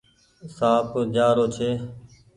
سآنپ جآ رو ڇي۔